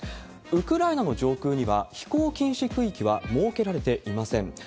ウクライナの上空には、飛行禁止区域は設けられていません。